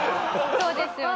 そうですよね。